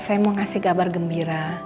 saya mau kasih gambar gembira